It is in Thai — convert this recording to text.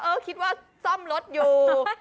คิดว่าซ่อมรถอยู่